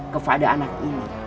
kepada anak ini